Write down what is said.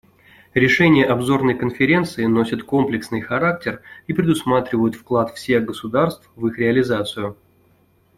Решения обзорной Конференции носят комплексный характер и предусматривают вклад всех государств в их реализацию.